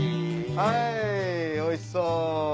はいおいしそう！